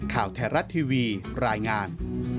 ข่าวไทยรัฐทีวีรายงาน